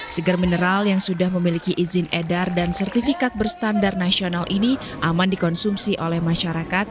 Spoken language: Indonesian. seger mineral yang sudah memiliki izin edar dan sertifikat berstandar nasional ini aman dikonsumsi oleh masyarakat